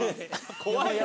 怖いよ。